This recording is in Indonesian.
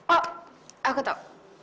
oh aku tau